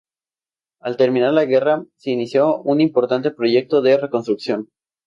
Al terminar la guerra, se inició un importante proyecto de reconstrucción.